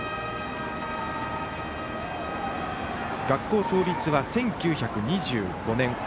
学校創立は１９２５年。